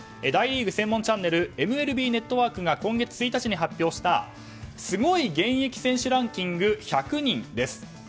大リーグ専門チャンネルＭＬＢネットワークが今月１日に発表したすごい現役選手ランキング１００人です。